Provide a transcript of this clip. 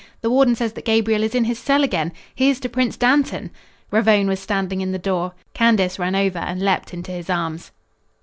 "The warden says that Gabriel is in his cell again! Here's to Prince Dantan!" Ravone was standing in the door. Candace ran over and leaped into his arms.